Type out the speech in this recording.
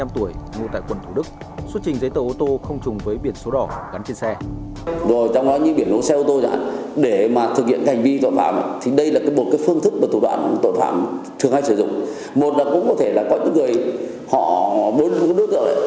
một là cũng có thể là có những người họ muốn đối tượng